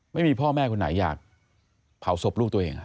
ไม่มีพ่อแม่คนไหนอยากเผาศพลูกตัวเอง